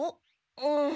うん。